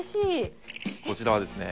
こちらはですね